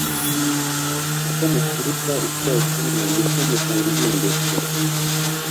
Uko muturuka isoko imwe Ni ko musangiye ingeso.